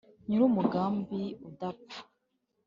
nyiri umugambi udapfa